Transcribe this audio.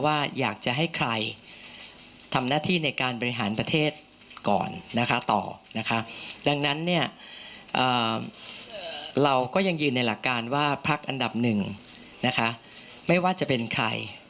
ก็ต้องมีสิทธิ์ในการที่จะจัดตั้งรัฐบาลก่อนนะคะ